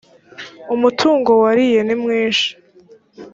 umutungo wa liye nimwishi .